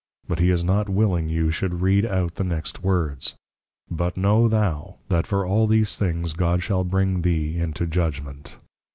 But he is not willing you should Read out the next words; _But know thou, that for all these things God shall bring thee into Judgment.